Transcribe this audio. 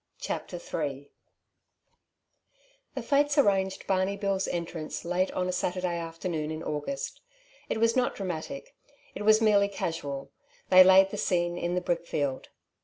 CHAPTER III THE Fates arranged Barney Bill's entrance late on a Saturday afternoon in August. It was not dramatic. It was merely casual. They laid the scene in the brickfield.